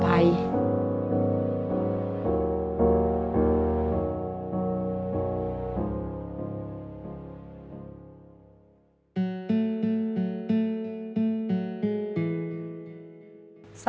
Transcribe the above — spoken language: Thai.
โปรดติดตามตอนต่อไป